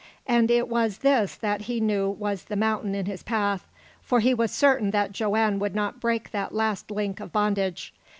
And it was this that he knew was the mountain in his path, for he was certain that Joanne would not break that last link of bondage.